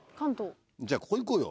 じゃあここ行こうよ。